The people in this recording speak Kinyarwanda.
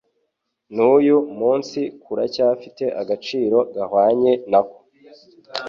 n'uyu munsi kuracyafite agaciro gahwanye nako